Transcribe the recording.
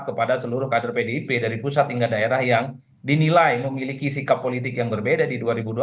kepada seluruh kader pdip dari pusat hingga daerah yang dinilai memiliki sikap politik yang berbeda di dua ribu dua puluh